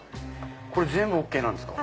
これ全部ＯＫなんですか？